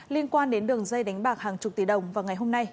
liên quan đến đường dây đánh bạc hàng chục tỷ đồng vào ngày hôm nay